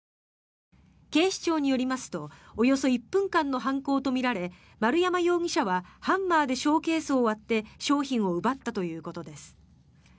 警視庁によりますとおよそ１分間の犯行とみられ丸山容疑者はハンマーでショーケースを割って商品を奪ったということです。